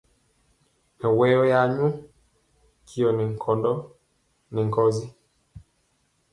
Mɛwɔyɔ ya nyɔ tyɔ nkɔndɔ nɛ ɓee nkɔsi.